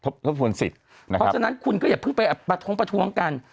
เพราะฉะนั้นคุณก็อย่าเพิ่งไปประท้วงประท้วงกัน